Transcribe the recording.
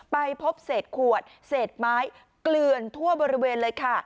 ไปพบเศษขวดเศษไม้เกลือนทั่วบริเวณเลยค่ะ